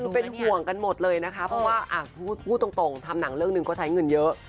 คือเป็นห่วงกันหมดเลยนะคะเพราะว่าพูดตรงทำหนังเรื่องหนึ่งก็ใช้เงินเยอะ